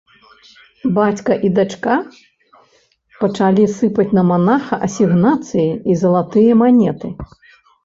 Бацька і дачка пачалі сыпаць на манаха асігнацыі і залатыя манеты.